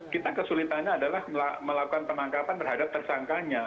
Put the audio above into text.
kita kesulitannya adalah melakukan penangkapan terhadap tersangkanya